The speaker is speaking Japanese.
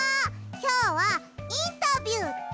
きょうはインタビューです。